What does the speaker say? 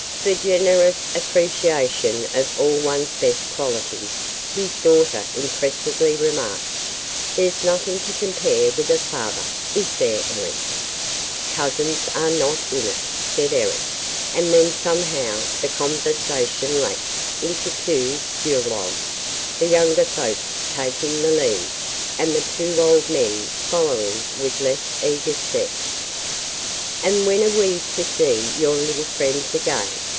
"For generous appreciation of all one's best qualities," his daughter impressively remarked, "there's nothing to compare with a father, is there, Eric?" "Cousins are not 'in it,'" said Eric: and then somehow the conversation lapsed into two duologues, the younger folk taking the lead, and the two old men following with less eager steps. "And when are we to see your little friends again?"